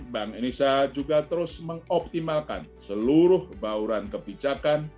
bank indonesia juga terus mengoptimalkan seluruh bauran kebijakan